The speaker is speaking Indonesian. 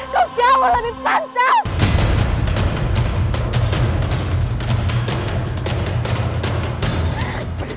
kau jauh lebih pantas